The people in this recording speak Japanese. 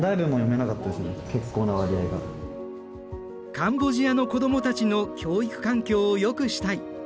カンボジアの子どもたちの教育環境をよくしたい。